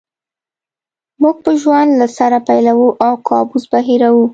موږ به ژوند له سره پیلوو او کابوس به هېروو